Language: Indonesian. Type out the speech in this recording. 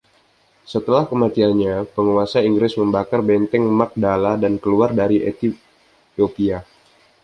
Setelah kematiannya, penguasa Inggris membakar benteng Magdala, dan keluar dari Etiopia.